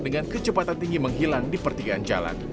dengan kecepatan tinggi menghilang di pertigaan jalan